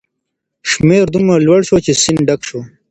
شمیر دومره لوړ شو چې سیند ډک شو.